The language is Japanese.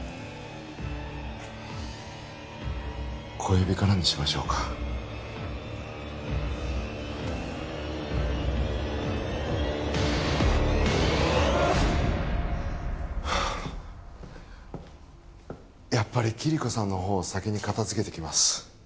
小指からにしましょうかやっぱりキリコさんのほうを先に片付けてきます